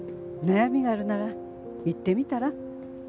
悩みがあるなら言ってみたら？